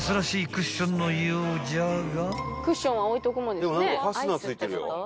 クッションのようじゃが］